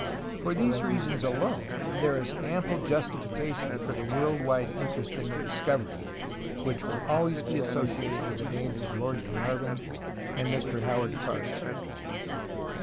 For these reasons alone there is ample justification for the world wide interest in the discovery which will always be associated with the names of Lord Carnarvon and Mr Howard Carter.